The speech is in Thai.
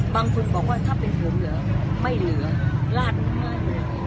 บางคนบอกว่าถ้าเป็นผมเหรอไม่เหลือลาดเลย